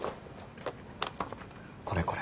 これこれ。